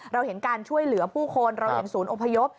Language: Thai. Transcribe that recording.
เราเห็นการช่วยเหลือผู้คนเราเห็นศูนย์อพยพ